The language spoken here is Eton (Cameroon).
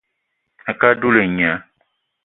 A ke á dula et nya